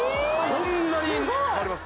こんなに変わります？